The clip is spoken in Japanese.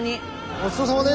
ごちそうさまです！